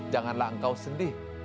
janganlah engkau sedih